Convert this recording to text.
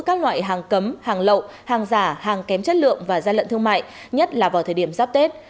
các loại hàng cấm hàng lậu hàng giả hàng kém chất lượng và gian lận thương mại nhất là vào thời điểm giáp tết